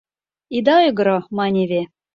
— Ида ойгыро, — маневе.